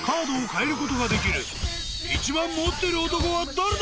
［一番持ってる男は誰だ？］